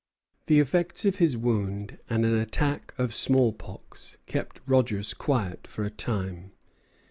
The effects of his wound and an attack of small pox kept Rogers quiet for a time.